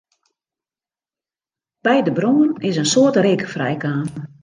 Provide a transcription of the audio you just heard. By de brân is in soad reek frijkaam.